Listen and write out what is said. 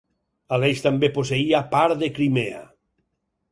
Aleix també posseïa part de Crimea.